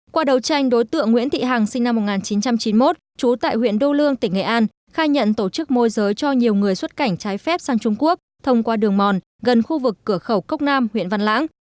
qua đấu tranh đối tượng nguyễn thị hằng sinh năm một nghìn chín trăm chín mươi một trú tại huyện đô lương tỉnh nghệ an khai nhận tổ chức môi giới cho nhiều người xuất cảnh trái phép sang trung quốc thông qua đường mòn gần khu vực cửa khẩu cốc nam huyện văn lãng